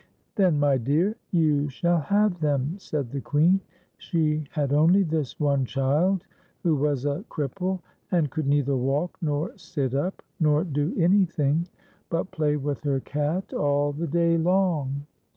" Then, my dear, you shall have them," said the Queen. She had only this one child, who was a cripple, and could neither walk, nor sit up, nor do anything but play with her cat all the day long.